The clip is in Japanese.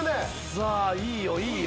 さあいいよいいよ。